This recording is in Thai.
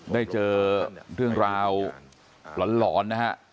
ได้เจอเรื่องราวหลอนนะฮะ